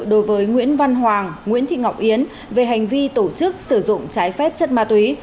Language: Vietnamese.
đối với nguyễn văn hoàng nguyễn thị ngọc yến về hành vi tổ chức sử dụng trái phép chất ma túy